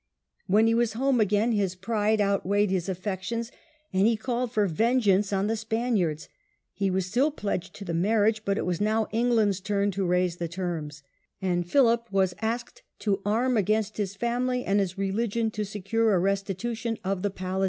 When he was home again his pride outweighed his affections, and he called for vengeance on the Spaniards. Parliament of He was Still pledged to the marriage, but it X624. was now England's turn to raise the terms, and Philip was asked to arm against his family and his religion to secure a restitution of the Palatinate.